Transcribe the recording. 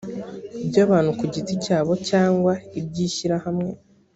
by abantu ku giti cyabo cyangwa iby ishyirahamwe